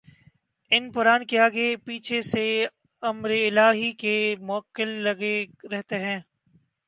ان پران کے آگے پیچھے سے امرِالٰہی کے مؤکل لگے رہتے ہیں